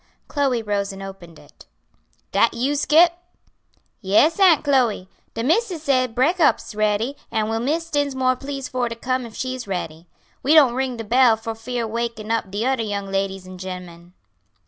Chloe rose and opened it. "Dat you, Scip?" "Yes, Aunt Chloe; de missis say breakop's is ready, an' will Miss Dinsmore please for to come if she's ready. We don't ring de bell fear wakin' up de odder young ladies an' gemmen."